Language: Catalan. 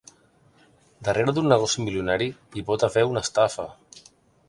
Darrere d'un negoci milionari hi pot haver una estafa.